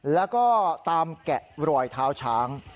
แล้วก็ตามแกะรอยเท้าช้าง